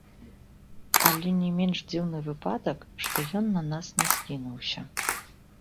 Але не менш дзіўны выпадак, што ён на нас не скінуўся.